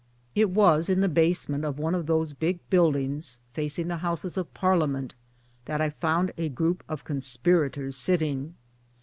It was in the basement of one of those big buildings facing the Houses of Parliament that I found a group of con spirators sitting.